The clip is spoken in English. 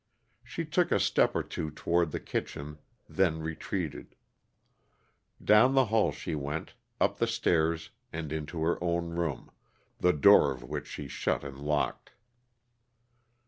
She took a step or two toward the kitchen, then retreated; down the hall she went, up the stairs and into her own room, the door of which she shut and locked.